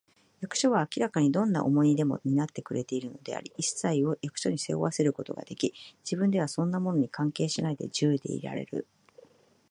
役所は明らかにどんな重荷でも担ってくれているのであり、いっさいを役所に背負わせることができ、自分ではそんなものに関係しないで、自由でいられる